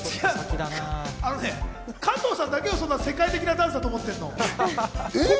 加藤さんだけよ、そんな世界的なダンスだと思ってるの。